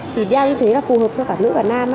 thì da như thế là phù hợp cho cả nữ và nam